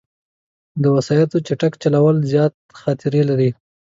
د وسايطو چټک چلول، زیاد خطر لري